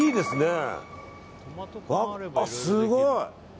すごい。